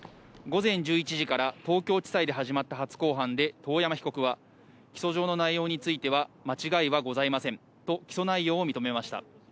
午前１１時から東京地裁で始まった初公判で遠山被告は訴状の内容については間違いはございませんと起訴内容を認めました。